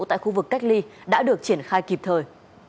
tại khu vực cách ly đã được triển khai kịp thời